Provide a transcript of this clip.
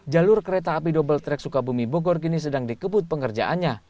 jalur kereta api double trek sukabumi bogor kini sedang dikebut pengerjaannya